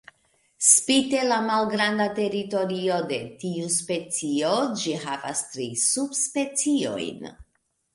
Spite la malgranda teritorio de tiu specio, ĝi havas tri subspeciojn.